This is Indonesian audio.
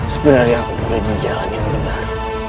sebenarnya aku sudah di jalan yang benar